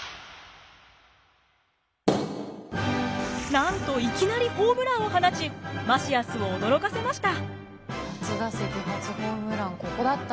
なんといきなりホームランを放ちマシアスを驚かせました。